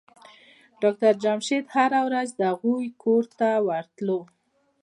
ډاکټر حشمتي هره ورځ د هغوی کور ته ورته